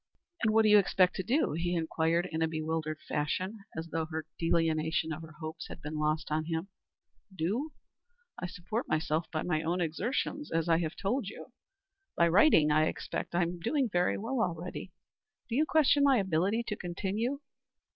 "And what do you expect to do?" he inquired in a bewildered fashion, as though her delineation of her hopes had been lost on him. "Do? Support myself by my own exertions, as I have told you. By writing I expect. I am doing very well already. Do you question my ability to continue?"